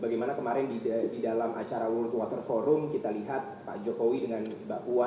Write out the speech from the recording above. bagaimana kemarin di dalam acara world water forum kita lihat pak jokowi dengan mbak puan